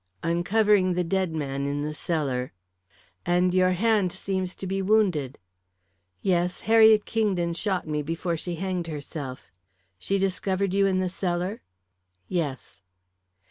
"Uncovering the dead man in the cellar." "And your hand seems to be wounded." "Yes; Harriet Kingdon shot me before she hanged herself." "She discovered you in the cellar?" "Yes."